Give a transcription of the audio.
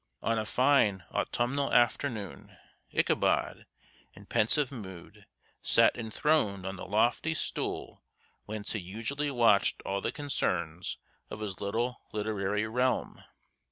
On a fine autumnal afternoon Ichabod, in pensive mood, sat enthroned on the lofty stool whence he usually watched all the concerns of his little literary realm.